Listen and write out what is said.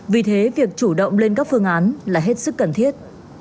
vì thế việc chủ động lên các phương án là hết sức cần thiết